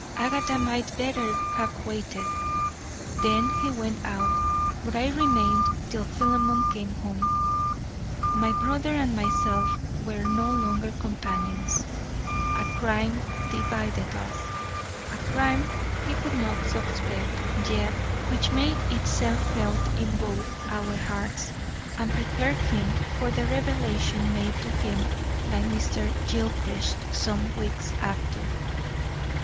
Agatha might better have waited.' Then he went out; but I remained till Philemon came home. My brother and myself were no longer companions; a crime divided us, a crime he could not suspect, yet which made itself felt in both our hearts and prepared him for the revelation made to him by Mr. Gilchrist some weeks after.